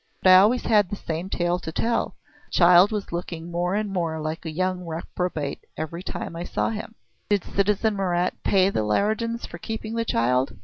But I always had the same tale to tell. The child was looking more and more like a young reprobate every time I saw him." "Did citizen Marat pay the Leridans for keeping the child?"